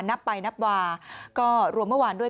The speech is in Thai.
นับไปนับมาก็รวมเมื่อวานด้วย